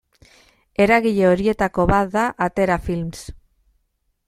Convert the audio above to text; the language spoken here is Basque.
Eragile horietako bat da Atera Films.